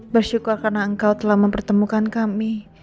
bersyukur karena engkau telah mempertemukan kami